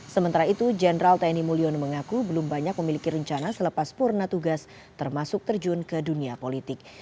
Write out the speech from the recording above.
sementara itu jenderal tni mulyono mengaku belum banyak memiliki rencana selepas purna tugas termasuk terjun ke dunia politik